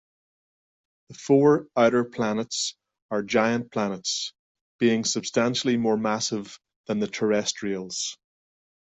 The four outer planets are giant planets, being substantially more massive than the terrestrials.